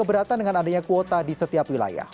keberatan dengan adanya kuota di setiap wilayah